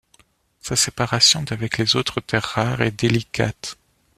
Sa séparation d'avec les autres terres rares est délicate.